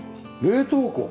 冷凍庫。